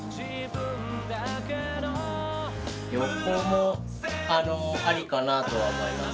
横もあのありかなとは思います。